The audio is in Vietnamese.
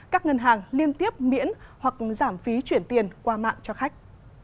các ngân hàng liên tiếp miễn hoặc giảm phí chuyển tiền qua mạng cho khách